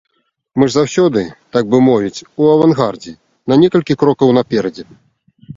Мы ж заўсёды, так бы мовіць, у авангардзе, на некалькі крокаў наперадзе.